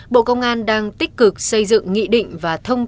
bộ công an đang tích cực xây dựng nghị định và thông